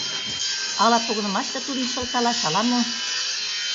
Ала погынымаште тудым шылталаш, ала мо...